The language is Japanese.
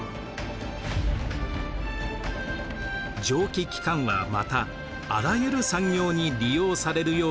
蒸気機関はまたあらゆる産業に利用されるようになります。